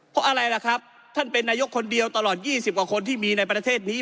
เพราะอะไรล่ะครับท่านเป็นนายกคนเดียวตลอด๒๐กว่าคนที่มีในประเทศนี้